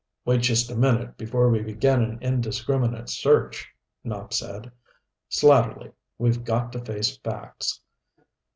"Wait just a minute before we begin an indiscriminate search," Nopp said. "Slatterly, we've got to face facts.